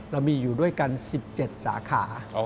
เรามีอยู่ด้วยกัน๑๗สาขา